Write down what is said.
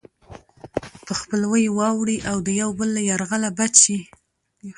په خپلوۍ واوړي او د يو بل له يرغله بچ شي.